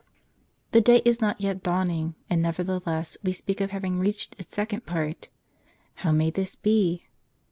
HE day is not yet dawning, and neverthe less we speak of having reached its second part. How may this be?